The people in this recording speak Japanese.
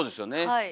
はい。